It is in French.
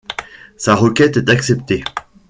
Sa requête est acceptée.